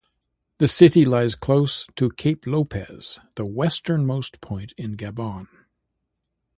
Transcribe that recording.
The city lies close to Cape Lopez, the westernmost point in Gabon.